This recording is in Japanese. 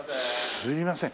すいません。